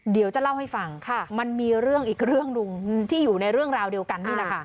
เดี๋ยวจะเล่าให้ฟังค่ะมันมีเรื่องอีกเรื่องที่อยู่ในเรื่องราวเดียวกัน